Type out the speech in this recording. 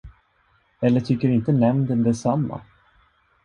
Eller tycker inte nämnden detsamma?